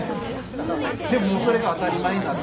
でもそれが当たり前になって。